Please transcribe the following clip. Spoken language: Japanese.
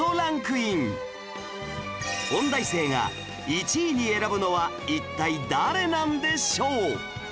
音大生が１位に選ぶのは一体誰なんでしょう？